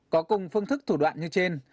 có cùng phương thức thủ đoạn như trên